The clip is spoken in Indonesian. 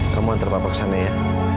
kamu antar papa kesana ya